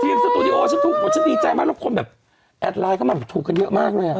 ทีมที่ตูดิโอฉันถูกตัวฉันดีใจมากแล้วคนแบบแอดไลน์ก็แบบถูกกันเยอะมากน่ะ